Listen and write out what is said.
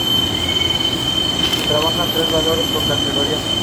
Referencia de discografía